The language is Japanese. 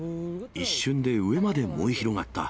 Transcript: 一瞬で上まで燃え広がった。